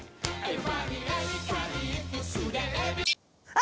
あ！